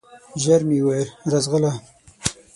ژر مي وویل ! راځغله